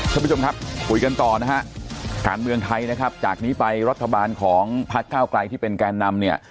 ฟูกันต่อนะฮะการเมืองไทยนะครับจากนี้ไปรัฐบาลของพัดก้าวกลายที่เป็นแการำเนี่ย